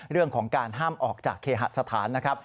เรื่องของการห้ามออกจากเคหสถานนะครับ